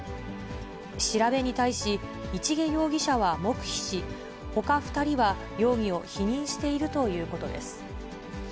調べに対し、市毛容疑は黙秘し、ほか２人は容疑を否認しているということです。